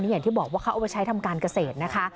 อย่างที่บอกว่าเขาทำการเกษตร